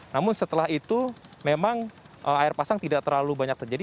namun setelah itu memang air pasang tidak terlalu banyak terjadi